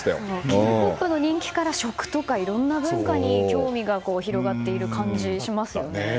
Ｋ‐ＰＯＰの人気が食とかいろんな文化に興味が広がっている感じがしますよね。